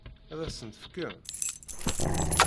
Ad as-ten-tefkem?